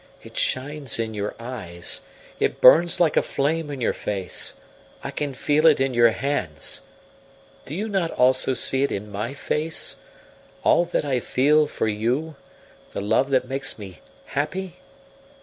It shines in your eyes, it burns like a flame in your face; I can feel it in your hands. Do you not also see it in my face all that I feel for you, the love that makes me happy?